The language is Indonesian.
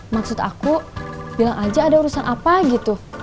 maksud aku bilang aja ada urusan apa gitu